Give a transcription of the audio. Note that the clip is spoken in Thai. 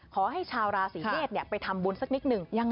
ขอให้ชาวราศีเมษไปทำบุญสักนิดหนึ่ง